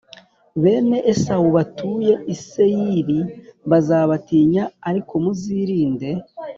bene Esawu, batuye i Seyiri. Bazabatinya, arikomuzirinde.